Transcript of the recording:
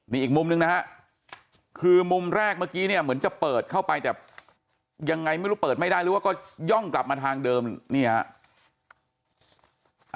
นี่อีกมุมหนึ่งนะฮะคือมุมแรกเมื่อกี้เนี่ยเหมือนจะเปิดเข้าไปแต่ยังไงไม่รู้เปิดไม่ได้หรือว่าก็ย่องกลับมาทางเดิมนี่ครับ